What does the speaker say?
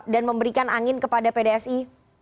dan memberikan angin kepada pdsi